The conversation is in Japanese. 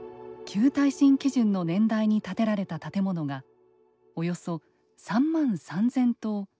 旧耐震基準の年代に建てられた建物がおよそ３万３，０００棟